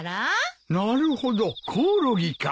なるほどコオロギか。